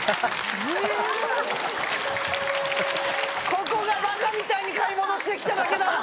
ここがばかみたいに買い物して来ただけだ！